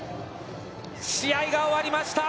試合が終わりました。